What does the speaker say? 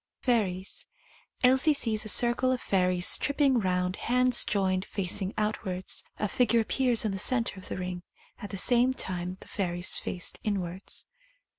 Fairies. Elsie sees a circle of fairies trip ping round, hands joined, facing outwards. A figure appears in the centre of the ring, at the same time the fairies faced inwards.